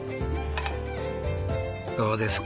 どうですか？